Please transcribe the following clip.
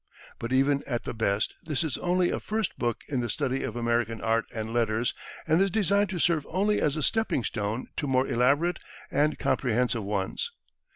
But, even at the best, this is only a first book in the study of American art and letters, and is designed to serve only as a stepping stone to more elaborate and comprehensive ones.